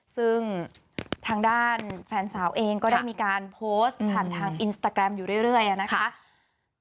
ซึ่งทางด้านแฟนสาวเองก็ได้มีการโพสต์ผ่านทางอินสตาแกรมอยู่เรื่อยนะคะ